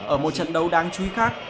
ở một trận đấu đáng chú ý khác